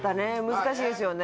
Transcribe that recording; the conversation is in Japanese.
難しいですよね